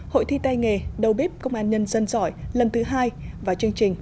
hội thi tay nghề đầu bếp công an nhân dân giỏi lần thứ hai và chương trình